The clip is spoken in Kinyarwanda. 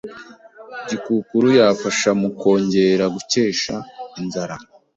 Gikukuru yafasha mu kongera gukesha inzara